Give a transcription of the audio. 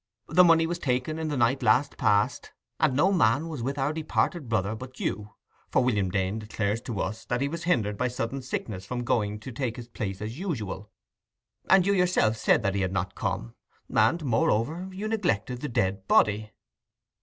The money was taken in the night last past, and no man was with our departed brother but you, for William Dane declares to us that he was hindered by sudden sickness from going to take his place as usual, and you yourself said that he had not come; and, moreover, you neglected the dead body."